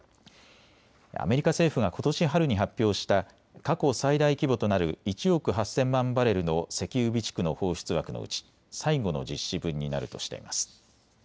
アメリカ政府がことし春に発表した過去最大規模となる１億８０００万バレルの石油備蓄の放出枠のうち最後の実施分になるとしています。